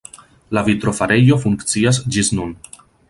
La vitrofarejo funkcias ĝis nun.